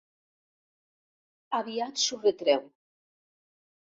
Aviat s'ho retreu.